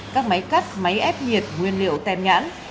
các máy cắt máy ép nhiệt nguyên liệu tem nhãn